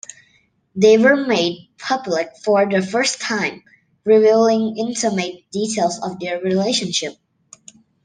They were made public for the first time, revealing intimate details of their relationship.